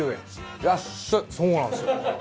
そうなんですよ。